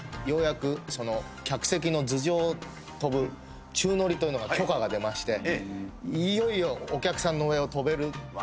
ようやく客席の頭上を飛ぶ宙乗りというのが許可が出ましていよいよお客さんの上を飛べる。